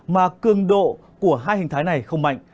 mà cường độ của hai hình thái này không mạnh